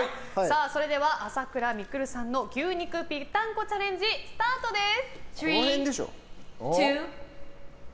それでは、朝倉未来さんの牛肉ぴったんこチャレンジスタートです！